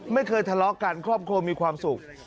ไม่เคยทะเลาะกันครอบครัวมีความสุข